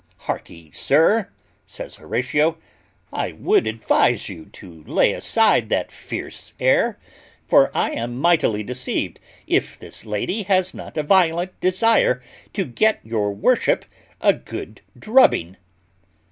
"Hark'ee, sir," says Horatio, "I would advise you to lay aside that fierce air; for I am mightily deceived if this lady has not a violent desire to get your worship a good drubbing."